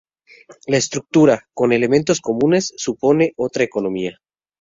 La estructura, con elementos comunes, supone otra economía.